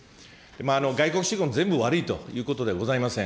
外国資本、全部悪いということではございません。